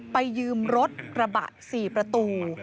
ไปยืมรถกระบะ๔ประตู